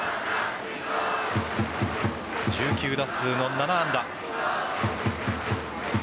１９打数７安打。